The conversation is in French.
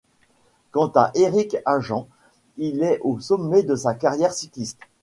Quant à Erich Hagen il est au sommet de sa carrière cycliste.